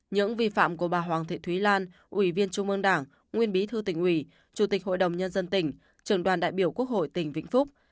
những vi phạm của bà hoàng thị thúy lan ủy viên trung ương đảng nguyên bí thư tỉnh ủy chủ tịch hội đồng nhân dân tỉnh trường đoàn đại biểu quốc hội tỉnh vĩnh phúc